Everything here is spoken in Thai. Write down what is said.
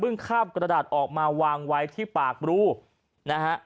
บึ้งคาบกระดาษออกมาวางไว้ที่ปากลูกใกล้เฉิน